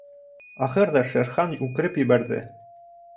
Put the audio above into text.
Ахырҙа Шер Хан үкереп ебәрҙе: